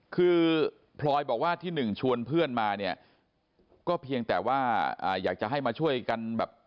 คือพลอยบอกว่าที่หนึ่งชวนเพื่อนมาเนี่ยก็เพียงแต่ว่าอยากจะให้มาช่วยกันแบบ